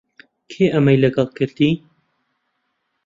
کێ ئەمەی لەگەڵ کردی؟